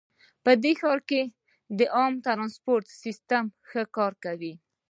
په دې ښار کې د عامه ترانسپورټ سیسټم ښه کار کوي